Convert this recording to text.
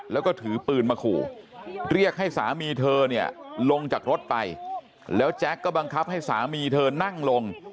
แล้วก็ถือปืนมาขู่เรียกให้สามีเธอเนี่ยลงจากรถไปแล้วแจ๊กก็บังคับให้สามีเธอนั่งลง